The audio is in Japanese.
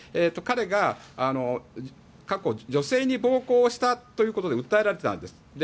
彼が過去女性に暴行したということで訴えられたんです。